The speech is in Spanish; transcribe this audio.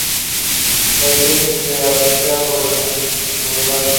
La iglesia se arquea por elementos circulares.